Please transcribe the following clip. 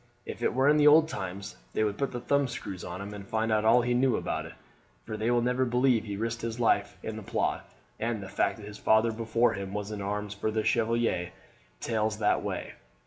If it were in the old times they would put the thumb screws on him to find out all he knew about it, for they will never believe he risked his life in the plot; and the fact that his father before him was in arms for the Chevalier tells that way.